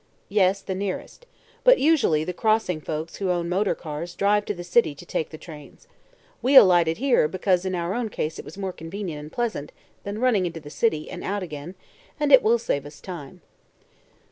"Yes, the nearest. But usually the Crossing folks who own motor cars drive to the city to take the trains. We alighted here because in our own case it was more convenient and pleasant than running into the city and out again, and it will save us time."